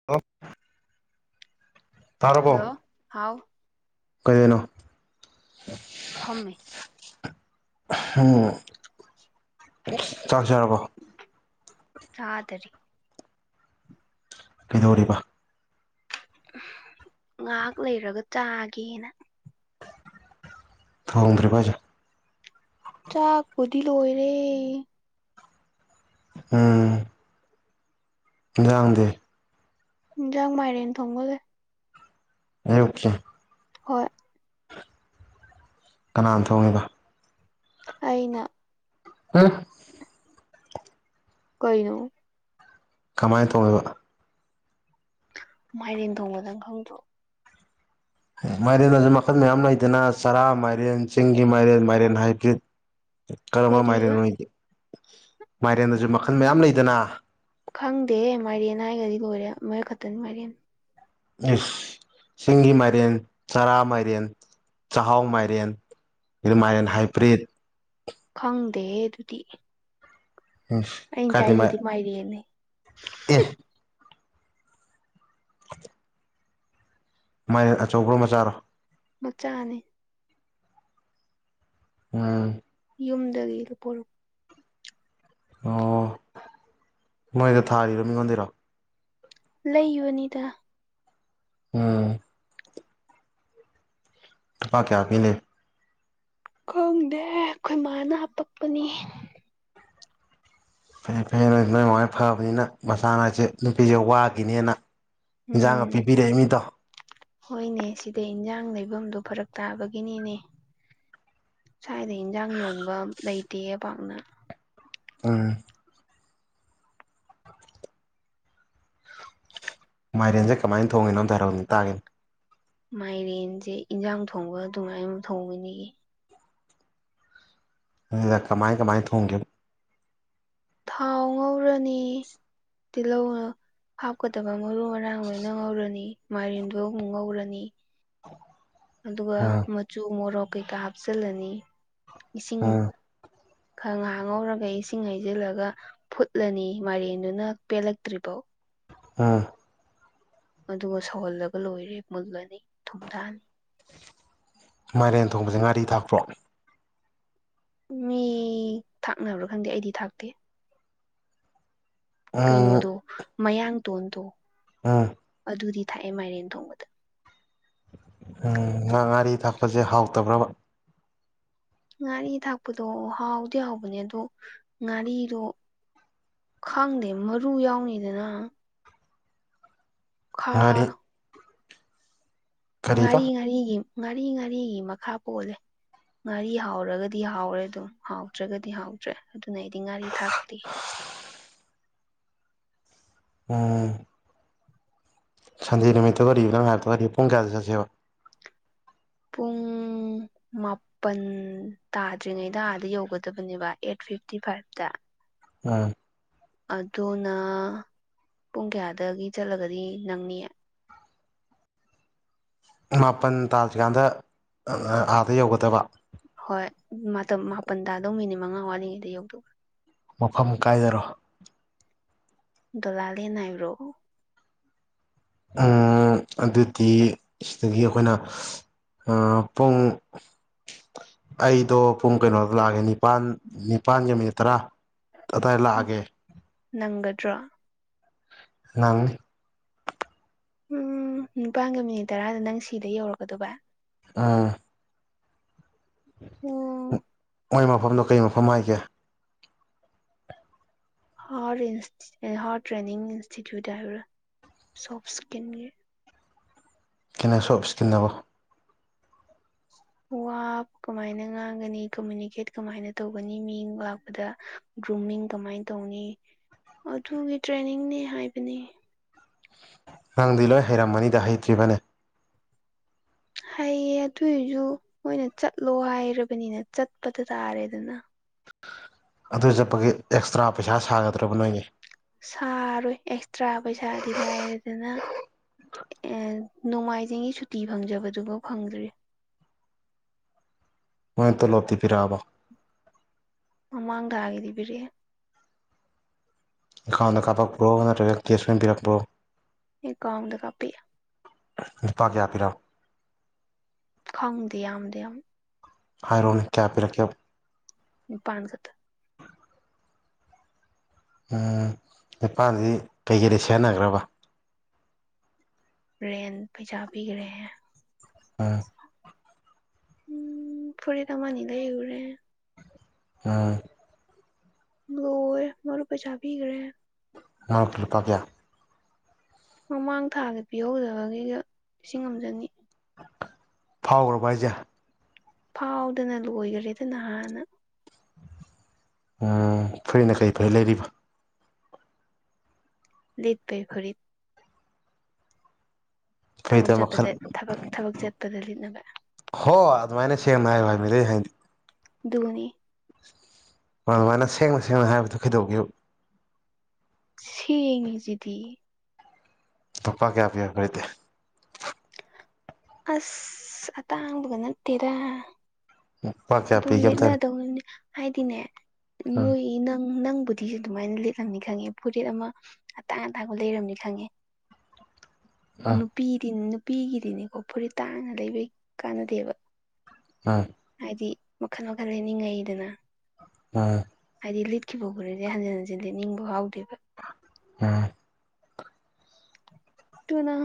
[unintelligible] hello ꯍꯥꯎ ꯀꯩꯑꯅꯣ ꯐꯝꯃꯤ ꯎꯝ ꯆꯥꯛ ꯆꯔꯕꯣ ꯆꯥꯗꯔꯤ ꯀꯩꯗꯧꯔꯤꯕ ꯉꯥꯛ ꯂꯩꯔꯒ ꯆꯥꯒꯦꯅ ꯊꯣꯡꯗ꯭ꯔꯤꯕ‌ꯣ ꯍꯥꯏꯁ‌ꯦ ꯆꯥꯛꯄꯨꯗꯤ ꯂꯣꯏꯔꯦ ꯎꯝ ꯏꯟꯖꯥꯡꯗꯤ ꯏꯟꯖꯥꯡ ꯃꯥꯏꯔꯦꯟ ꯊꯣꯡꯕ ꯂꯩ [unintelligible] ꯍꯣꯏ ꯀꯅꯥꯅ ꯊꯣꯡꯉꯤꯕ ꯑꯩꯅ [unintelligible] ꯀꯩꯅꯣ ꯀꯃꯥꯏꯅ ꯊ‌ꯣꯡꯉꯤꯕ ꯃꯥꯏꯔꯦꯟ ꯊꯣꯡꯕ ꯅꯪ ꯈꯪꯗ꯭ꯔ‌ꯣ ꯃꯥꯏꯔꯦꯟ ꯑꯗꯁꯨ ꯃꯈꯜ ꯃꯌꯥꯝ ꯂꯩꯗꯅ ꯆꯔꯥ ꯃꯥꯏꯔꯦꯟ ꯆꯤꯡꯒꯤ ꯃꯥꯏꯔꯦꯟ ꯃꯥꯏꯔꯦꯟ ꯍꯥꯏꯕ꯭ꯔꯤꯠ ꯀꯔꯝꯕ ꯀꯔꯤꯕ ꯃꯥꯏꯔꯦꯟ ꯑꯣꯏ ꯃꯥꯏꯔꯦꯟꯗꯁꯨ ꯃꯈꯜ ꯃꯌꯥꯝ ꯂꯩꯗꯅ ꯈꯪꯗꯦꯍ‌ꯦ ꯃꯥꯏꯔꯦꯟ ꯍꯥꯏꯒꯔꯗꯤ ꯂ‌ꯣꯏꯔꯦ ꯑꯃꯔꯛ ꯈꯛꯇꯅꯤ ꯃꯥꯏꯔꯦꯟ ꯏꯁ ꯆꯤꯡꯒꯤ ꯃꯥꯏꯔꯦꯟ ꯆꯔꯥ ꯃꯥꯏꯔꯦꯟ ꯆꯥꯍꯥꯎ ꯃꯥꯏꯔꯦꯟ ꯔꯤ ꯃꯥꯏꯔ‌ꯦꯟ ꯍꯥꯏꯕ꯭ꯔꯤꯠ ꯈꯪꯗꯦꯍ‌ꯦ ꯗꯨꯗꯤ ꯏꯁ ꯀꯥꯏꯗꯩ ꯃꯥꯏ ꯃꯥꯏꯔꯦꯟꯅꯦ ꯑꯦ ꯃꯥꯏꯔ‌ꯦꯟ ꯑꯆꯧꯕ꯭ꯔꯣ ꯃꯆꯥꯔꯣ ꯃꯆꯥꯅ‌ꯦ ꯎꯝ ꯌꯨꯝꯗꯒꯤ ꯂꯨꯄꯨꯔꯛ ꯑꯣ ꯅ‌ꯣꯏꯏꯗ ꯊꯥꯔꯤꯔꯣ ꯃꯤꯡꯉꯣꯟꯗꯩꯔꯣ ꯂꯩꯕꯅꯤꯗ ꯎꯝ ꯂꯨꯄꯥ ꯀꯌꯥ ꯄꯤ ꯂꯩ ꯈꯪꯗꯦ ꯑꯩꯈꯣꯏꯃꯥꯅ ꯍꯥꯞꯄꯛꯄꯅꯤ ꯐꯩꯌ‌ꯦ ꯐꯩꯌ‌ꯦ ꯅꯪ ꯅꯣꯏ ꯃꯥꯍ‌ꯣꯏ ꯐꯕꯅꯤꯅ ꯃꯆꯥꯑꯁꯦ ꯅꯨꯄꯤꯁꯦ ꯋꯥꯒꯤꯅꯦꯅ ꯎꯝ ꯍꯣꯏꯅꯦ ꯁꯤꯗ ꯏꯟꯖꯥꯡ ꯂꯩꯐꯝꯗꯨ ꯐꯔꯛ ꯇꯥꯕꯒꯤꯅꯤꯅꯦ ꯁ꯭ꯋꯥꯏꯗ ꯏꯟꯖꯥꯡ ꯌꯣꯟꯕꯝ ꯂꯩꯇꯦ ꯄꯥꯛꯅ ꯎꯝ ꯃꯥꯏꯔꯦꯟꯁꯦ ꯀꯃꯥꯏꯟ ꯊ‌ꯣꯡꯉꯤꯅꯣ ꯑꯝꯇ ꯍꯥꯏꯔꯧꯅ‌ꯦ ꯇꯥꯒ‌ꯦꯅ‌ꯦ ꯃꯥꯏꯔꯦꯟꯖ‌ꯦ ꯏꯟꯖꯥꯡ ꯊꯣꯡꯕ ꯑꯗꯨꯃꯥꯏꯅ ꯃꯨ ꯊꯣꯡꯉꯤꯅꯤ ꯑꯗꯨꯗ ꯀꯃꯥꯏ ꯀꯃꯥꯏꯟ ꯊꯣꯡꯒꯦꯕ ꯊꯥꯎ ꯉꯧꯔꯅꯤ ꯇꯤꯜꯍꯧꯅ ꯍꯥꯞꯀꯗꯕ ꯃꯔꯨ ꯃꯔꯥꯡ ꯂꯣꯏꯅ ꯉꯧꯔꯅꯤ ꯃꯥꯏꯔꯦꯟꯗꯨꯣ ꯑꯃꯨꯛ ꯉꯧꯔꯅꯤ ꯑꯗꯨꯒ ꯎꯝ ꯃꯆꯨ ꯃꯣꯔꯣꯛ ꯀꯩꯀꯥ ꯍꯥꯞꯆꯤꯜꯂꯅꯤ ꯏꯁꯤꯡ ꯎꯝ ꯈꯍꯥꯡ ꯉꯧꯔꯒ ꯏꯁꯤꯡ ꯍꯩꯖꯤꯜꯂꯒ ꯐꯨꯠꯂꯅꯤ ꯃꯔꯦꯟꯗꯨꯅ ꯄꯦꯜꯂꯛꯇ꯭ꯔꯤꯕꯥꯎ ꯎꯝ ꯑꯗꯨꯒ ꯁꯧꯍꯜꯂꯒ ꯂꯣꯏꯔꯦ ꯃꯨꯜꯂꯅꯤ ꯊꯨꯝꯊꯅꯤ ꯃꯥꯏꯔꯦꯟ ꯊꯣꯡꯕꯁꯦ ꯉꯥꯔꯤ ꯊꯥꯛꯄ꯭ꯔꯣ ꯃꯤ ꯊꯥꯛꯅꯕ꯭ꯔꯥ ꯈꯪꯗꯦ ꯑꯩꯗꯤ ꯊꯥꯛꯇꯦ ꯎꯝ ꯀꯩꯅꯣꯗꯣ ꯃꯌꯥꯡ ꯇꯣꯟꯗꯣ ꯎꯝ ꯑꯗꯨꯗꯤ ꯊꯥꯛꯑꯦ ꯃꯥꯏꯔꯦꯟ ꯊꯣꯡꯕꯗ ꯎꯝ ꯉꯥ ꯉꯥꯔꯤ ꯊꯥꯛꯄꯁꯦ ꯍꯥꯎꯇꯕ꯭ꯔꯕ ꯉꯥꯔꯤ ꯊꯥꯛꯄꯗꯣ ꯍꯥꯎꯗꯤ ꯍꯥꯎꯕꯅꯦ ꯑꯗꯣ ꯉꯥꯔꯤꯗꯣ ꯈꯥꯡꯗꯦ ꯃꯔꯨ ꯌꯥꯎꯅꯤꯗꯅ ꯈꯥ ꯉꯥꯔꯤ ꯀꯔꯤꯕ ꯉꯥꯔꯤ ꯉꯥꯔꯤꯒꯤ ꯉꯥꯔꯤ ꯉꯥꯔꯤꯒꯤ ꯃꯈꯥ ꯄꯣꯜꯂꯦ ꯉꯥꯔꯤ ꯍꯥꯎꯔꯒꯗꯤ ꯍꯥꯎꯔꯦ ꯑꯗꯨꯝ ꯍꯥꯎꯗ꯭ꯔꯒꯗꯤ ꯍꯥꯎꯗ꯭ꯔꯦ ꯑꯗꯨꯅ ꯑꯩꯗꯤ ꯉꯥꯔꯤ ꯊꯥꯛꯇꯦ ꯎꯝ ꯁꯟꯗꯦ ꯅꯨꯃꯤꯠꯇ ꯑꯣꯏꯔꯤꯕ ꯅꯪ ꯍꯥꯏꯇꯗ ꯋꯥꯔꯤꯔꯤꯕ ꯄꯨꯡ ꯀꯌꯥꯗ ꯆꯠꯁꯦꯕ ꯄꯨꯡ ꯃꯥꯄꯜ ꯇꯥꯗ꯭ꯔꯤꯉꯩꯗ ꯑꯥꯗ ꯌꯧꯒꯗꯕꯅꯦꯕ ꯑꯦꯠ ꯐꯤꯐꯇꯤ ꯐꯥꯏꯚꯇ ꯎꯝ ꯑꯗꯨꯅ ꯄꯨꯡ ꯀꯌꯥꯗꯒꯤ ꯆꯠꯂꯒꯗꯤ ꯅꯪꯅꯤꯌꯦ ꯃꯥꯄꯟ ꯇꯥꯗ꯭ꯔꯤꯀꯥꯟꯗ ꯑꯥꯗ ꯌꯧꯒꯗꯕ ꯍꯣꯏ ꯃꯥꯄꯜꯗꯗꯧ ꯃꯤꯅꯤꯠ ꯃꯉꯥ ꯋꯥꯂꯤꯉꯩꯗ ꯌꯧꯗ꯭ꯔꯥ ꯃꯐꯝ ꯀꯥꯏꯗꯔꯣ ꯗꯂꯥꯜꯦ ꯅꯥꯏꯔꯣ ꯑꯗꯨꯗꯤ ꯁꯤꯗꯒꯤ ꯑꯩꯈꯣꯏꯅ ꯑꯄꯨꯡ ꯑꯩꯗꯣ ꯄꯨꯡ ꯀꯩꯅꯣꯗ ꯂꯥꯛꯑꯒꯦ ꯅꯤꯄꯥꯜ ꯅꯤꯄꯜꯒ ꯃꯤꯅꯤꯠ ꯇꯔꯥ ꯑꯗꯥꯏ ꯂꯥꯛꯑꯒꯦ ꯅꯪꯒꯗ꯭ꯔꯥ ꯅꯪ ꯎꯝ ꯅꯤꯄꯥꯟꯒ ꯃꯤꯅꯤꯠ ꯇꯔꯥꯗ ꯅꯪ ꯁꯤꯗ ꯌꯧꯔꯛꯀꯗꯕ ꯑꯥ ꯑꯣꯝ ꯃꯣꯏ ꯃꯐꯝꯗꯣ ꯀꯩ ꯃꯐꯝ ꯍꯥꯏꯒꯦ ꯍꯥꯔꯠ ꯍꯥꯔꯠ ꯇ꯭ꯔꯦꯟꯅꯤꯡ ꯏꯟꯁꯇꯤꯇ꯭ꯌꯨꯠ ꯍꯥꯏꯕ꯭ꯔꯥ ꯁꯣꯐ ꯏꯁꯀꯤꯟꯒꯤ ꯟꯅ ꯁꯣꯞꯁꯀꯤꯟꯅꯕꯣ ꯋꯥ ꯀꯃꯥꯏꯅ ꯉꯥꯡꯒꯅꯤ ꯀꯃꯨꯅꯤꯀꯦꯠ ꯀꯃꯥꯏꯅ ꯇꯧꯒꯅꯤ ꯃꯤ ꯂꯥꯛꯄꯗ ꯒ꯭ꯔꯨꯃꯤꯡ ꯀꯃꯥꯏꯅ ꯇꯧꯅꯤ ꯑꯗꯨꯒꯤ ꯇ꯭ꯔꯦꯅꯤꯡꯅꯤ ꯍꯥꯏꯕꯅꯤ ꯅꯪꯗꯤ ꯂꯣꯏ ꯍꯩꯔꯝꯃꯅꯤꯗ ꯍꯩꯇ꯭ꯔꯤꯕꯅꯦ ꯍꯩꯌꯦ ꯑꯗꯨꯏꯁꯨ ꯃꯣꯏꯅ ꯆꯠꯂꯣ ꯍꯥꯏꯔꯕꯅꯤꯅ ꯆꯠꯄꯗ ꯇꯥꯔꯦꯗꯅ ꯑꯗꯨ ꯆꯠꯄꯒꯤ ꯑꯦꯛꯁꯇ꯭ꯔꯥ ꯄꯩꯁꯥ ꯁꯥꯒꯗ꯭ꯔꯕ ꯅꯣꯏꯅꯦ ꯁꯥꯔꯣꯏ ꯑꯦꯛꯁꯇ꯭ꯔꯥ ꯄꯩꯁꯥꯗꯤ ꯂꯥꯏꯔꯦꯗꯅ ꯑꯦ ꯅꯣꯡꯃꯥꯏꯖꯤꯡꯒꯤ ꯁꯨꯇꯤ ꯐꯪꯖꯕꯗꯨꯐꯥꯎ ꯐꯪꯗ꯭ꯔꯤ ꯍꯣꯏꯅꯇꯂꯣ ꯇꯤꯔꯛꯑꯕ ꯃꯃꯥꯡꯗ ꯍꯥꯏꯒꯤꯗꯤꯕꯤꯔꯦ ꯏꯈꯥꯎꯟꯗ ꯀꯥꯞꯄꯛꯄ꯭ꯔꯣ ꯅꯠꯇ꯭ꯔꯒ ꯇꯦꯁ ꯑꯣꯏꯅ ꯄꯤꯔꯛꯄ꯭ꯔꯣ ꯏꯀꯥꯎꯗ ꯀꯥꯄꯤ ꯂꯨꯄꯥ ꯀꯌꯥ ꯄꯤꯔꯥ ꯈꯪꯗꯦ ꯌꯥꯝꯗꯤ ꯌꯥꯝ ꯍꯥꯏꯔꯛꯣꯅꯦ ꯀꯌꯥ ꯄꯤꯔꯛꯀꯦ ꯅꯤꯄꯥꯟꯒꯗ ꯎꯝ ꯅꯤꯄꯥꯜꯁꯤꯗꯤ ꯀꯩꯀꯩꯗꯤ ꯁꯦꯟꯅꯈ꯭ꯔꯕ ꯔꯦꯦꯟ ꯄꯖꯥꯕꯤꯒ꯭ꯔꯦ ꯎ ꯎꯝ ꯐꯔꯤ ꯊ ꯃꯥꯅꯤꯗꯩ ꯎꯨꯔꯦ ꯑ ꯣꯋ ꯃꯔ ꯄꯩꯁꯥꯕꯤꯒ꯭ꯔꯦ ꯅ ꯀꯔꯤꯄꯥ ꯀꯌꯥ ꯃꯃꯥꯡ ꯊꯥꯗ ꯄꯤꯍꯧꯗꯕꯒꯤꯒ ꯂꯤꯁꯤꯡ ꯑꯃꯖꯅꯤ ꯐꯥꯎꯈ꯭ꯔꯕ ꯍꯥꯏꯁꯦ ꯐꯥꯎꯗꯅ ꯂꯣꯏꯈꯔꯦ ꯑꯗꯨ ꯅꯍꯥꯟꯅ ꯐꯔꯤꯅ ꯀꯔꯤ ꯐꯩ ꯂꯩꯔꯤꯕ ꯂꯤꯞ ꯩ ꯍꯔꯤꯞ ꯊꯕꯛ ꯐꯨꯔꯤꯠꯇ ꯃꯈꯜ ꯆꯠꯄꯗ ꯊꯕ ꯊꯕꯛ ꯆꯠꯄꯗ ꯂꯤꯠꯅꯕ ꯍꯣ ꯑꯗꯨꯃꯥꯏꯅ ꯁꯦꯡꯅ ꯍꯥꯏ ꯋꯥꯏ ꯃꯤꯗꯩ ꯍꯥꯏꯗꯤ ꯙꯣꯅꯤ ꯃꯥ ꯑꯗꯨꯃꯥꯏꯅ ꯁꯦꯡꯅ ꯁꯦꯡꯅ ꯍꯥꯏꯕꯗꯨꯣ ꯀꯩꯗꯧꯤꯌꯨ ꯁꯤ ꯏꯂꯤꯁꯤꯗꯤ ꯑꯇꯣꯞꯄꯥ ꯀꯌꯥ ꯄꯤꯌꯥ ꯀꯇꯦ ꯑꯁ ꯑꯇ ꯍꯥꯡꯕꯒ ꯅꯠꯇꯦꯔ ꯂꯨꯄꯥ ꯀꯌꯥ ꯄꯨꯡ ꯄꯤꯒꯦ ꯑꯝꯇ ꯂꯤꯠꯅꯗꯧꯅꯤꯅꯦ ꯍꯥꯏꯗꯤꯅꯦ ꯍꯥꯏꯔꯛꯑꯣ ꯅꯣꯏ ꯅꯪ ꯅꯪꯕꯨꯗꯤ ꯐꯇꯤꯤꯁꯦ ꯑꯗꯨꯃꯥꯏꯅ ꯂꯤꯠꯂꯝꯅꯤ ꯈꯪꯉꯦ ꯐꯨꯔꯤꯠ ꯑꯃ ꯑꯇꯥꯡ ꯑꯇꯥꯡꯕ ꯂꯩꯔꯝꯅꯤ ꯈꯪꯉꯦ ꯑꯥ ꯅꯨꯄꯤꯗꯤ ꯅꯨꯄꯤꯒꯤꯗꯤꯅꯤꯀꯣ ꯐꯨꯔꯤꯠ ꯇꯥꯅ ꯂꯩꯕꯩ ꯀꯥꯟꯅꯗꯦꯕ ꯎꯝ ꯍꯥꯏꯗꯤ ꯃꯈꯜ ꯃꯈꯜ ꯂꯩꯅꯤꯡꯉꯩꯗꯅ ꯎ ꯍꯥꯏꯗꯤ ꯂꯤꯠꯈꯤꯕꯒꯅꯤꯗꯤ ꯍꯟꯖꯤꯟ ꯍꯟꯖꯤꯟꯗꯤ ꯅꯤꯡꯕ ꯍꯥꯎꯗꯦꯕ ꯎꯝ ꯇꯨꯅ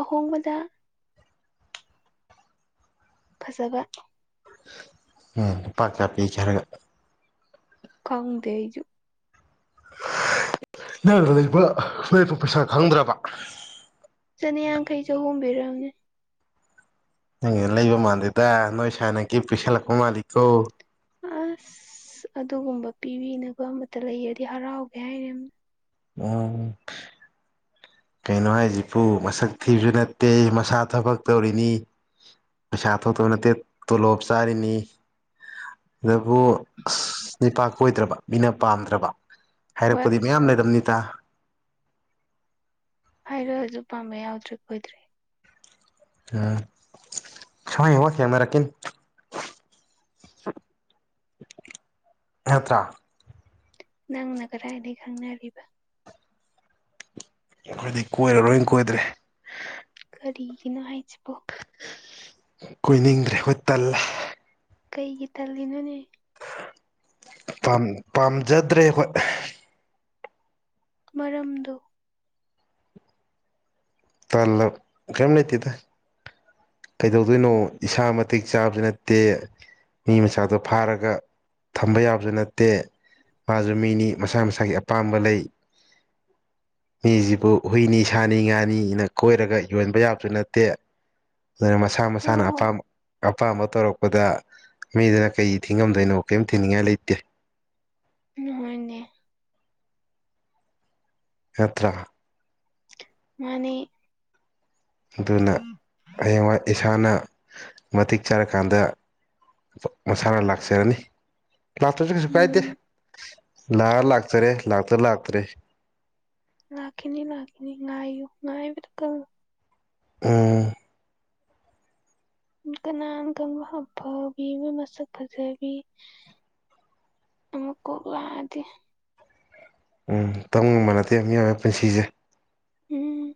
ꯑꯍꯣꯡꯕꯗ ꯐꯖꯕ ꯎꯝ ꯄ ꯆꯥ ꯄ ꯀꯔꯒ ꯀꯥꯎꯗꯩꯖꯨ ꯅꯪꯗ ꯂꯩ ꯂꯣꯏꯄ ꯄꯩꯁꯥ ꯈꯪꯗ꯭ꯔꯕ ꯆꯅꯤꯌꯥꯡꯈꯩ ꯆꯍꯣꯡꯕꯤꯔꯛꯎꯅꯦ ꯅꯪ ꯂꯩꯕ ꯃꯥꯜꯜꯂꯤꯦꯗ ꯅꯣꯏ ꯁꯥꯥꯟꯅꯒꯤ ꯄꯤꯁꯜꯂꯛꯄ ꯃꯥꯜꯂꯤꯀꯣ ꯑꯁ ꯑꯗꯨꯒꯨꯝꯕ ꯄꯤꯕꯤꯅꯕ ꯑꯃꯇ ꯂꯩꯌꯦꯗꯤ ꯍꯔꯥꯎꯒꯦ ꯍꯥꯏꯔ ꯎ ꯀꯩꯅꯣ ꯍꯥꯏꯁꯤꯕꯨ ꯃꯁꯛ ꯊꯤꯕꯁꯨ ꯅꯠꯇꯦ ꯃꯁꯥ ꯊꯕꯛ ꯇꯧꯔꯤꯅꯤ ꯄꯩꯁꯥ ꯊꯣꯛꯇꯕ ꯅꯠꯇꯦ ꯇꯣꯂꯣꯞ ꯆꯥꯔꯤꯅꯤ ꯑꯗꯨꯕꯨ ꯅꯤꯄꯥ ꯀꯣꯏꯗ꯭ꯔꯕ ꯃꯤꯅ ꯄꯥꯝꯗ꯭ꯔꯕ ꯍꯣꯏ ꯍꯥꯏꯔꯛꯄꯗꯤ ꯃꯌꯥꯝ ꯂꯩꯗꯝꯅꯤꯇꯥ ꯍꯥꯏꯔꯣ ꯍꯧꯖꯤꯛ ꯄꯥꯝꯕꯩ ꯌꯥꯎꯗ꯭ꯔꯦ ꯀꯨꯣꯏꯗ꯭ꯔꯦ ꯎꯝ ꯁ ꯍ ꯀꯦꯃꯦꯔꯥ ꯀ ꯅꯠꯇ꯭ꯔꯥ ꯅꯪꯅ ꯀꯔ ꯍꯥꯏꯗꯤ ꯈꯪꯅꯔꯔꯤꯕꯕ ꯑꯩꯈꯣꯏꯗꯤ ꯀꯣꯏꯔꯔꯣꯏꯅ ꯀꯣꯏꯗ꯭ꯔꯦ ꯀꯔꯤꯒꯤꯅꯣ ꯍꯥꯏꯁꯤꯕꯣ ꯀꯨꯏꯅꯤꯡꯗ꯭ꯔꯦ ꯍꯣꯏ ꯇꯜꯂ ꯀꯩꯒꯤ ꯊꯜꯂꯤꯅꯣꯅꯦ ꯄꯥꯝꯖꯗ꯭ꯔꯦ ꯑꯩꯈꯣꯏ ꯃꯔꯝꯗꯨ ꯇꯂ ꯀꯩꯃꯤ ꯂꯩꯇꯦꯗ ꯀꯩꯗꯧꯗꯣꯏꯅꯣ ꯏꯁꯥ ꯃꯇꯤꯛ ꯆꯥꯕꯁꯨ ꯅꯠꯇꯦ ꯃꯤ ꯃꯆꯥꯛꯗꯣ ꯐꯥꯔꯒ ꯊꯝꯕ ꯌꯥꯕꯁꯨ ꯅꯠꯇꯦ ꯃꯥꯁꯨ ꯃꯤꯅꯤ ꯃꯁꯥ ꯃꯁꯥꯒꯤ ꯑꯄꯥꯝꯕ ꯂꯩ ꯃꯤꯁꯤꯕꯨ ꯍꯨꯏꯅꯤ ꯁꯥꯅꯤ ꯉꯥꯅꯤꯅ ꯀꯣꯏꯔꯒ ꯌꯣꯟꯕ ꯌꯥꯕꯁꯨ ꯅꯠꯇꯦ ꯑꯗꯨꯅ ꯃꯁꯥ ꯃꯁꯥꯅ ꯑꯣ ꯑꯣ ꯑꯄꯥꯝꯕ ꯑꯄꯥꯝꯕ ꯇꯧꯔꯛꯄꯗ ꯃꯤꯗꯨꯅ ꯀꯩ ꯊꯤꯡꯉꯝꯗꯣꯏꯅꯣ ꯀꯔꯤꯝ ꯊꯤꯅꯤꯡꯉꯥꯏ ꯂꯩꯇꯦ ꯅꯍꯣꯏꯅꯦ ꯌꯥꯠꯇ ꯃꯥꯅꯤ ꯑꯗꯨꯅ ꯑꯩꯌꯦꯡ ꯏꯁꯥꯅ ꯃꯇꯤꯛ ꯆꯥꯔꯀꯥꯟꯗ ꯃꯁꯥꯅ ꯂꯥꯛꯆꯔꯅꯤ ꯂꯥꯛꯇꯁꯨ ꯀꯩꯁꯨ ꯀꯥꯏꯗꯦ ꯎꯝ ꯂꯥꯛꯑ ꯂꯥꯛꯇꯔꯦ ꯂꯥꯛꯇ ꯂꯥꯛꯇꯔꯦ ꯂꯥꯛꯈꯤꯅꯤ ꯂꯥꯛꯈꯤꯅꯤ ꯉꯥꯏ ꯉꯥꯏꯕꯔ ꯀꯜ ꯑ ꯀ ꯅꯥꯟ ꯀ ꯃꯄꯕꯤ ꯃ ꯃꯁꯛ ꯐꯖꯦꯕꯤ ꯑꯃ ꯀꯗꯤꯦ ꯎꯝ ꯇꯧꯒꯝꯕ ꯅꯠꯇꯦ ꯃꯤꯑꯣꯏꯕ ꯄꯨꯟꯁꯤꯁꯦ ꯎꯝ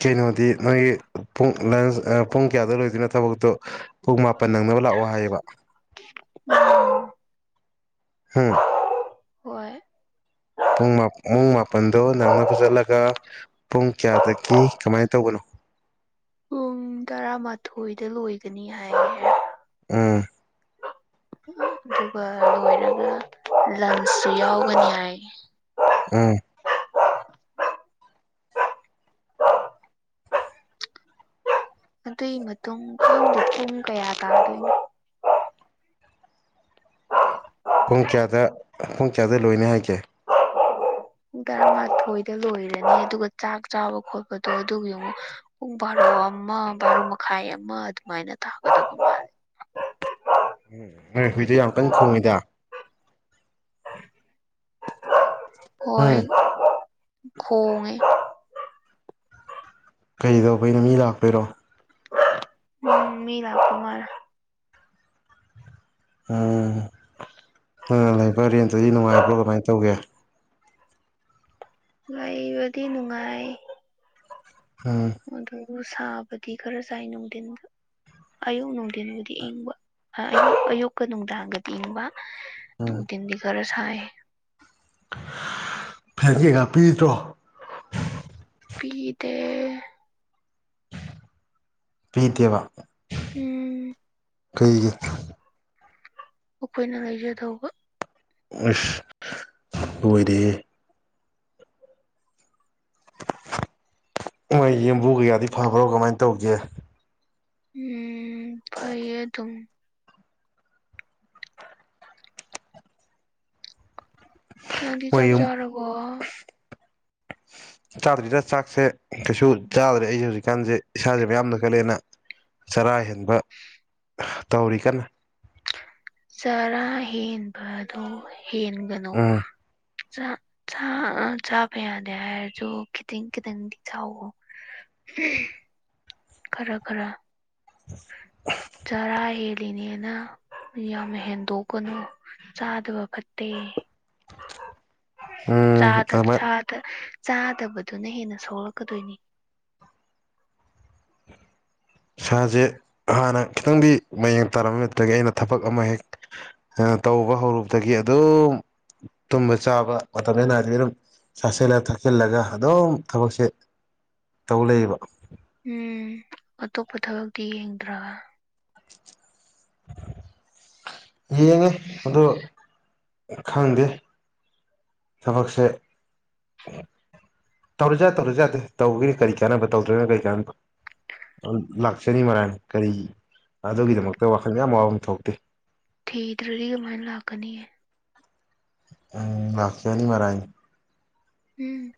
ꯀꯩꯅꯣꯗꯤ ꯅꯣꯏꯒꯤ ꯄꯨꯡ ꯂ ꯄꯨꯡ ꯀꯌꯥꯗ ꯂꯣꯏꯗꯣꯏꯅꯣ ꯊꯕꯛꯇꯣ ꯄꯨꯡ ꯃꯥꯄꯟ ꯅꯪꯅꯕ ꯂꯥꯛꯑꯣ ꯍꯥꯏꯌꯦꯕ ꯎꯝ ꯍꯣꯏ ꯨꯡ ꯄꯨꯡ ꯃꯥꯄꯜꯗꯣ ꯅꯪꯅ ꯆꯠꯂꯒ ꯄꯨꯡ ꯀꯌꯥꯗꯒꯤ ꯀꯃꯥꯏꯅ ꯇꯧꯕꯅꯣ ꯄꯨꯡ ꯇꯔꯥꯃꯥꯊꯣꯏꯗ ꯂꯣꯏꯒꯅꯤ ꯍꯥꯏꯔꯦ ꯑꯝ ꯑꯗꯨꯒ ꯂꯣꯏꯔꯒ ꯂꯝꯁꯨ ꯌꯥꯎꯒꯅꯤ ꯍꯥꯏ ꯎꯝ ꯑꯗꯨꯏ ꯃꯇꯨꯡ ꯄꯨꯡ ꯀꯌꯥ ꯇꯥꯗꯣꯏꯅꯣ ꯄꯨꯡ ꯀꯌꯥꯗ ꯄꯨꯡ ꯀꯌꯥꯗ ꯂꯣꯏꯅꯤ ꯍꯥꯏꯒꯦ ꯄꯨꯡ ꯇꯔꯥꯃꯥꯊꯣꯏꯗ ꯂꯣꯏꯔꯅꯤ ꯑꯗꯨꯒ ꯆꯥꯛ ꯆꯥꯕ ꯈꯣꯠꯄꯗꯣ ꯑꯗꯨꯒꯤ ꯌꯦ ꯑꯃꯨꯛ ꯄꯨꯡ ꯕꯥꯔꯣ ꯑꯃ ꯕꯥꯔꯣ ꯃꯈꯥꯏ ꯑꯃ ꯑꯗꯨꯃꯥꯏꯅ ꯇꯥꯒꯗꯕ ꯃꯥꯂꯦ ꯎꯝꯣꯏ ꯍꯨꯏꯗ ꯌꯥꯝ ꯀꯟꯅ ꯈꯣꯡꯉꯤꯗ ꯑ ꯍꯣꯏ ꯎꯝ ꯈꯣꯡꯦ ꯀꯔꯤꯗꯧꯕ ꯑꯩꯅ ꯃꯤ ꯂꯥꯛꯄꯣꯏꯔꯣ ꯎꯝ ꯃꯤ ꯂꯀꯨꯃꯔ ꯎꯝ ꯍ ꯂꯩꯕ ꯔꯦꯟꯇꯗꯤ ꯅꯨꯡꯉꯥꯏꯕ꯭ꯔꯣ ꯀꯃꯥꯏꯅ ꯇꯧꯒꯦ ꯂꯩꯕꯗꯤ ꯅꯨꯡꯉꯥꯏ ꯎꯝ ꯑꯗꯨ ꯁꯥꯕꯗꯤ ꯈꯔ ꯆꯥꯏ ꯅꯨꯡꯊꯤꯟ ꯑꯌꯨꯛ ꯅꯨꯡꯊꯤꯟꯕꯨꯗꯤ ꯏꯪꯕ ꯑꯌꯨꯛꯀ ꯅꯨꯡꯗꯥꯡꯒꯗꯤ ꯏꯪꯕ ꯎꯝ ꯁꯤ ꯀꯔꯁꯑ ꯐꯦꯟ ꯀꯩꯀꯥ ꯄꯤꯗ꯭ꯔꯣ ꯐꯗ ꯄꯤꯇꯕ ꯎꯝ ꯀꯩꯒꯤ ꯑꯣꯈꯣꯏꯅ ꯂꯩꯖꯗꯧꯕ ꯏꯁ ꯂꯣꯏꯔꯦꯍꯦ ꯃꯣꯏ ꯌꯦꯟꯕꯨ ꯀꯌꯥꯗꯤ ꯐꯕ꯭ꯔꯣ ꯀꯃꯥꯏꯅ ꯇꯧꯒꯦ ꯎꯝ ꯐꯩꯌꯦ ꯑꯗꯨꯝ ꯅꯪꯗꯤ ꯆꯥꯛ ꯃꯣꯏꯌꯨꯝ ꯆꯥꯔꯕꯣ ꯆꯥꯗ꯭ꯔꯤꯗ ꯆꯥꯛꯁꯦ ꯀꯩꯁꯨ ꯆꯥꯗ꯭ꯔꯦ ꯑꯩꯖꯦ ꯍꯧꯖꯤꯛꯀꯥꯟꯖꯦ ꯏꯁꯥꯖꯦ ꯃꯌꯥꯝꯅ ꯈꯠꯂꯦꯅ ꯆꯔꯥ ꯍꯦꯟꯕ ꯇꯧꯔꯤ ꯀꯟꯅ ꯆꯥꯔꯥ ꯍꯦꯟꯕ ꯑꯗꯣ ꯍꯦꯟꯒꯅꯨ ꯎꯝ ꯆꯥꯕ ꯌꯥꯗꯦ ꯍꯥꯏꯔꯁꯨ ꯈꯤꯇꯪ ꯈꯤꯇꯪꯗꯤ ꯆꯥꯎꯋꯣ [unintelligible] ꯈꯔ ꯈꯔ ꯆꯔꯥ ꯍꯦꯜꯂꯤꯅꯦꯅ ꯌꯥꯝ ꯍꯦꯟꯗꯣꯛꯀꯅꯨ ꯆꯥꯗꯕ ꯐꯠꯇꯦ ꯎꯝ ꯆꯥꯗ ꯑꯃ ꯆꯥ ꯆꯥꯗꯕꯗꯨꯅ ꯍꯦꯟꯅ ꯁꯣꯛꯂꯛꯀꯗꯣꯏꯅꯤ ꯏꯁꯥꯖꯦ ꯍꯥꯟꯅ ꯈꯤꯇꯪꯗꯤ ꯃꯌꯦꯡ ꯇꯥꯔꯝꯃꯦ ꯑꯇꯨꯇꯒꯤ ꯑꯩꯅ ꯊꯕꯛ ꯑꯃ ꯍꯦꯛ ꯇꯧꯕ ꯍꯧꯔꯨꯕꯗꯒꯤ ꯑꯗꯨꯝ ꯇꯨꯝꯕ ꯆꯥꯕ ꯃꯇꯝꯅꯦ ꯅꯥꯏꯗꯕꯤ ꯑꯗꯨꯝ ꯆꯥꯁꯤꯜꯂꯦ ꯊꯛꯆꯤꯜꯂꯒ ꯑꯗꯨꯝ ꯊꯕꯛꯁꯦ ꯇꯧ ꯂꯩꯕ ꯎꯝ ꯑꯇꯣꯞꯄ ꯊꯕꯛꯇꯤ ꯌꯦꯡꯗ꯭ꯔꯕ [unintelligible] ꯌꯦꯡꯉꯦ ꯑꯗꯣ ꯈꯪꯗꯦ ꯊꯕꯛꯁꯦ ꯇꯧꯔꯥꯖꯨꯠ ꯌꯥꯏ ꯇꯧꯗꯔꯥꯖꯨꯠ ꯌꯥꯏ ꯇꯧꯕꯒꯤꯅꯤ ꯀꯔꯤ ꯀꯥꯟꯅꯕ ꯇꯧꯗ꯭ꯔꯥꯒꯅ ꯀꯔꯤ ꯀꯥꯟꯅꯕ ꯂꯥꯛꯆꯅꯤ ꯃꯔꯥꯏꯅ ꯀꯔꯤ ꯑꯗꯨꯒꯤꯗꯃꯛꯇ ꯋꯥꯈꯜ ꯌꯥꯝ ꯋꯥꯐꯝ ꯊꯣꯛꯇꯦ ꯊꯤꯇꯔꯥꯗꯤ ꯀꯃꯥꯏꯟ ꯂꯥꯛꯀꯥꯅꯤ ꯎꯝ ꯂꯥꯛꯀꯆꯥꯅꯤ ꯃꯔꯥꯏꯅ ꯎꯝ